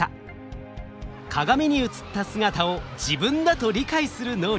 鏡に映った姿を自分だと理解する能力鏡像自己認知。